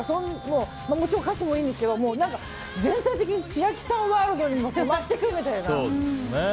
もちろん歌詞もいいんですけど全体的に千秋さんワールドに染まっていくみたいな。